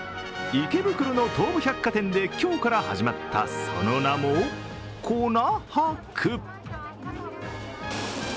池袋の東武百貨店で今日から始まった、その名も粉博。